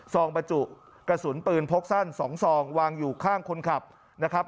บรรจุกระสุนปืนพกสั้น๒ซองวางอยู่ข้างคนขับนะครับ